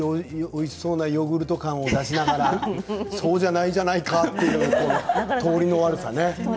おいしそうなヨーグルト感を出しながらそうじゃないじゃないか、という通りの悪さね。